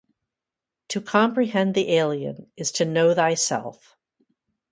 To comprehend the alien is to know thyself.